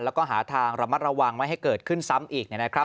แล้วก็หาทางระมัดระวังไม่ให้เกิดขึ้นซ้ำอีกนะครับ